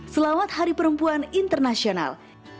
selamat hari perempuan internasional